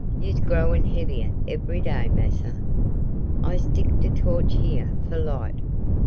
You's growin' heavier every day, massa. I stick de torch here for light.